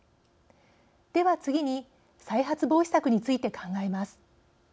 では、次に再発防止策について考えます。